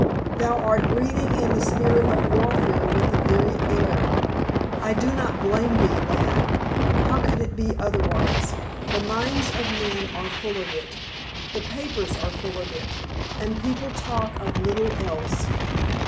Thou art breathing in the spirit of warfare with the very air. I do not blame thee, lad; how could it be otherwise? The minds of men are full of it. The papers are full of it, and people talk of little else.